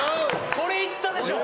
これいったでしょう！？